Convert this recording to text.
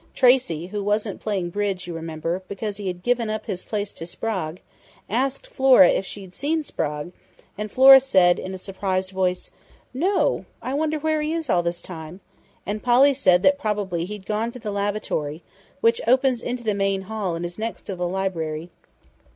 Tracey, who wasn't playing bridge, you remember, because he had given up his place to Sprague, asked Flora if she'd seen Sprague, and Flora said, in a surprised voice, 'No! I wonder where he is all this time,' and Polly said that probably he'd gone to the lavatory, which opens into the main hall and is next to the library....